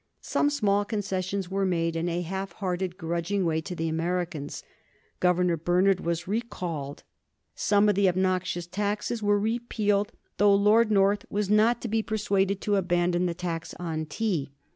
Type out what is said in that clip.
Some small concessions were made in a half hearted and grudging way to the Americans. Governor Bernard was recalled. Some of the obnoxious taxes were repealed, though Lord North was not to be persuaded to abandon the tax on tea.